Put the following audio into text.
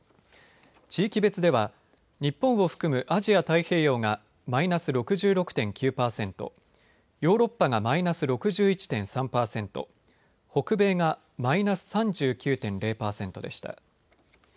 地域別では日本を含めアジア太平洋がマイナス６６．９％、ヨーロッパがマイナス６１．３％、北米がマイナス３９．０％でした。